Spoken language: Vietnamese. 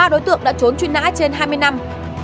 ba đối tượng đã trốn truy nã trên hai mươi năm